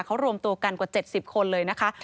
เขารวมตัวกันกว่า๗๐คนเลยนะคะ